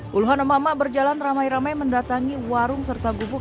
puluhan emama berjalan ramai ramai mendatangi warung serta gubuk